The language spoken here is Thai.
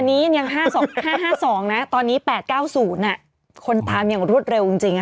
อันนี้ยัง๕๕๒นะตอนนี้๘๙๐คนตามอย่างรวดเร็วจริง